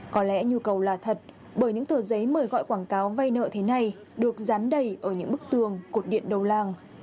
có lẽ nhu cầu là thật bởi những tờ giấy mời gọi quảng cáo vay nợ thế này được dán đầy ở những bức tường cột điện đầu làng